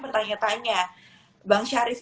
bertanya tanya bang syarif